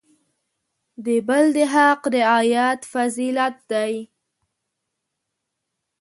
د بل د حق رعایت فضیلت دی.